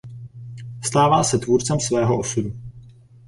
Stává se tvůrcem svého osudu.